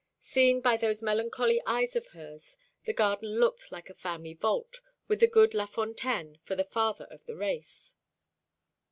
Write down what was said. Seen by those melancholy eyes of hers, the garden looked like a family vault, with the good Lafontaine for the father of the race.